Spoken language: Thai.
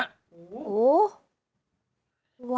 โห